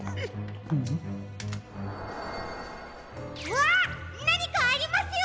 わっなにかありますよ！